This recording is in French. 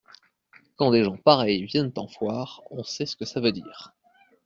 Quand des gens pareils viennent en foire, on sait ce que ça veut dire.